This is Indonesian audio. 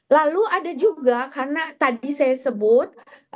lalu ada juga karena tadi saya sebut